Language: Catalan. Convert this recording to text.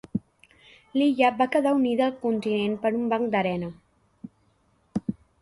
L'illa va quedar unida al continent per un banc d'arena.